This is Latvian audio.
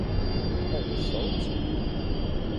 Kā jūs sauc?